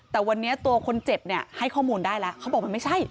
แต่วันนี้ตัวคนเจ็บเนี่ยให้ข้อมูลได้แล้วเขาบอกมันไม่ใช่